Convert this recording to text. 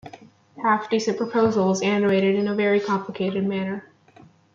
"Half-Decent Proposal" was animated in a very complicated manner.